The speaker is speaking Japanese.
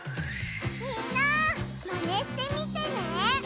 みんなマネしてみてね！